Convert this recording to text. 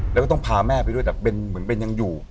แล้วก็ต้องพาแม่ไปด้วยแต่เป็นเหมือนเป็นยังอยู่